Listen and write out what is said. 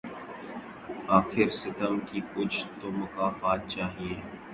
آخر ستم کی کچھ تو مکافات چاہیے